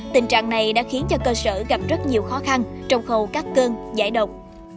tình trạng này đã khiến cho cơ sở gặp rất nhiều khó khăn trong khâu cắt cơn giải độc